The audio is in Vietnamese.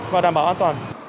và đảm bảo an toàn